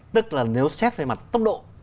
tức là nếu xét về mặt tốc độ